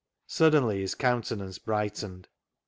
Suddenly his countenance brightened.